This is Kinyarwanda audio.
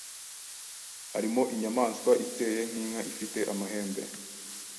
harimo inyamaswa iteye nk’inka ifite amahembe,